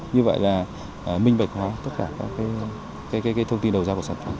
như vậy là minh bạch hóa tất cả các thông tin đầu ra của sản phẩm